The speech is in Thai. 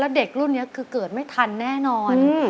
เด็กรุ่นนี้คือเกิดไม่ทันแน่นอน